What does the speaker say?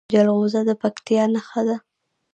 جلغوزه د پکتیا نښه ده.